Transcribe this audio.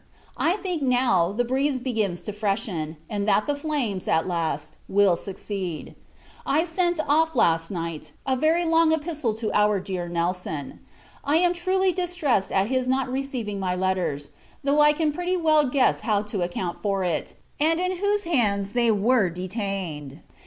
I think, now, the breeze begins to freshen; and that the flames, at last, will succeed. I sent off, last night, a very long epistle to our dear Nelson. I am truly distressed at his not receiving my letters; though I can pretty well guess how to account for it, and in whose hands they were detained.